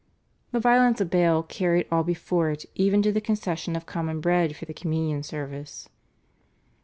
The violence of Bale carried all before it even to the concession of common bread for the Communion Service.